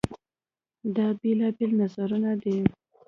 دا بېلابېل نظرونه دي.